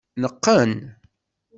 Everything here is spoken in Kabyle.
Neqqen.